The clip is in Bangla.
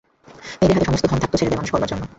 মেয়েদের হাতে সমস্ত ধন থাকত ছেলে মানুষ করবার জন্য।